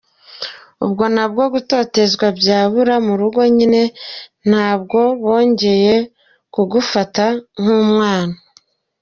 Ubwo nabwo gutotezwa byabura, mu rugo nyine ntabwo bongera ku gufata nk’umwana.